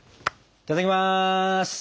いただきます。